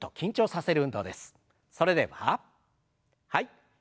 それでははい。